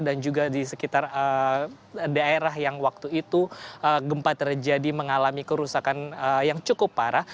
dan juga di sekitar daerah yang waktu itu gempa terjadi mengalami kerusakan yang cukup parah